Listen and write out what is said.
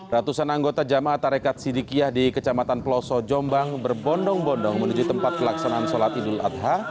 ratusan anggota jamaah tarekat sidikiyah di kecamatan peloso jombang berbondong bondong menuju tempat pelaksanaan sholat idul adha